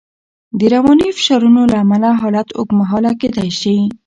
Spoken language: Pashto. د رواني فشارونو له امله حالت اوږدمهاله کېدای شي.